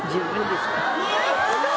すごい！